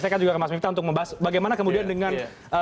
saya akan juga ke mas miftah untuk membahas bagaimana kemudian dengan